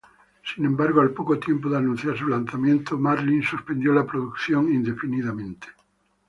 Sin embargo, al poco tiempo de anunciar su lanzamiento, Marlin suspendió la producción indefinidamente.